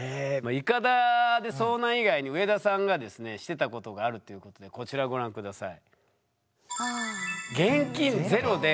イカダで遭難以外に上田さんがですねしてたことがあるっていうことでこちらをご覧下さい。